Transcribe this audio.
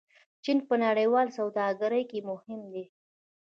چین په نړیواله سوداګرۍ کې مهم دی.